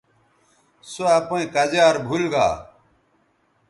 سو اپئیں کزیار بھول گا